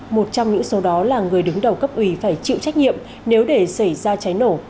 một trong những số đó là người đứng đầu cấp ủy phải chịu trách nhiệm nếu để xảy ra cháy nổ